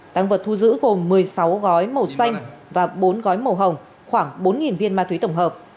tăng vật thu giữ gồm một mươi sáu gói màu xanh và bốn gói màu hồng khoảng bốn viên ma túy tổng hợp